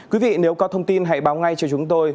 quý vị nếu có thông tin hãy báo ngay cho chúng tôi